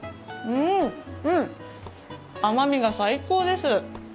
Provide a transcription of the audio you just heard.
甘みが最高です。